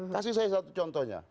kasih saya satu contohnya